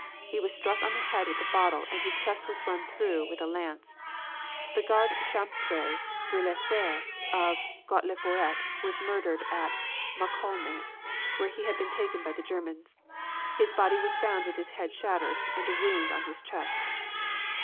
He was struck on the head with a bottle and his chest was run through with a lance. The garde champetre Brulefer of le Gault la Foret was murdered at Maclaunay, where he had been taken by the Germans. His body was found with his head shattered and a wound on his chest.